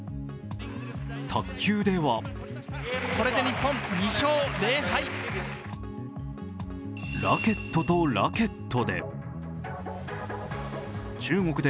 卓球ではラケットとラケットで。